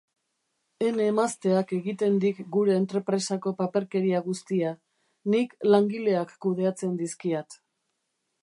Ene emazteak egiten dik gure entrepresako paperkeria guztia, nik langileak kudeatzen dizkiat.